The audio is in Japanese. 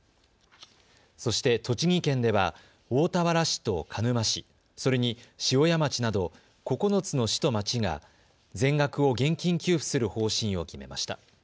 そして栃木県では大田原市と鹿沼市、それに塩谷町など９つの市と町が全額を現金給付する方針を決めました。